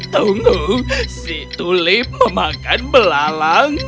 tunggu si tulip memakan belalang